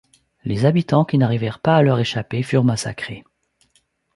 Les habitants qui n'arrivèrent pas à leur échapper furent massacrés.